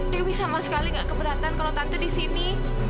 dewi sama sekali gak keberatan kalau tante disini